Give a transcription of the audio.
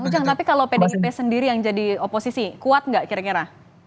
tapi kalau pdip sendiri yang jadi oposisi kuat nggak kira kira